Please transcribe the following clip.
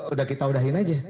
udah kita udahin aja